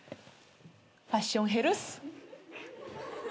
ファッションヘルス？